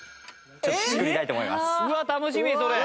うわっ楽しみそれ。